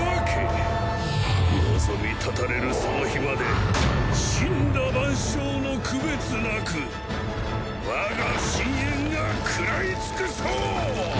望み絶たれるその日まで森羅万象の区別なく我が深淵が食らい尽くそう！